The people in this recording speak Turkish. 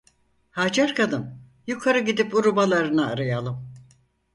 Hacer kadın: "Yukarı gidip urubalarını arayalım!"